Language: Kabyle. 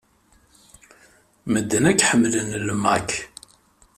Medden akk ḥemmlen Mac.